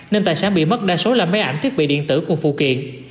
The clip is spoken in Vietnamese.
nên tài sản bị mất đa số là máy ảnh thiết bị điện tử cùng phụ kiện